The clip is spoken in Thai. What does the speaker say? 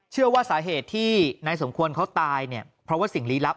เชื่อว่าสาเหตุที่นายสมควรเขาตายเนี่ยเพราะว่าสิ่งลี้ลับ